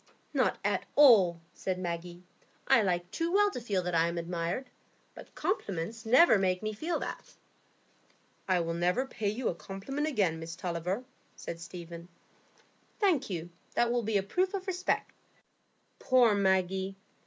"Not at all," said Maggie; "I like too well to feel that I am admired, but compliments never make me feel that." "I will never pay you a compliment again, Miss Tulliver," said Stephen. "Thank you; that will be a proof of respect." Poor Maggie!